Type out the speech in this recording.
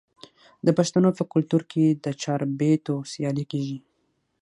د پښتنو په کلتور کې د چاربیتیو سیالي کیږي.